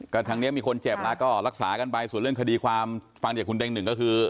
ก็ทางนี้มีคนเจ็บแล้วก็รักษากันไปส่วนเรื่องคดีความฟังจากคุณเต็งหนึ่งก็คือ